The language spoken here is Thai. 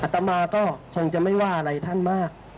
พระมคราวศิษย์ละซะ